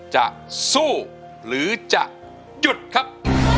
จะสู้หรือจะหยุดครับ